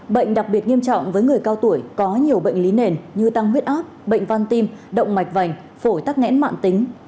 bệnh đặc biệt nghiêm trọng với người cao tuổi có nhiều bệnh lý nền như tăng huyết áp bệnh van tim động mạch vành phổi tắc nghẽn mạng tính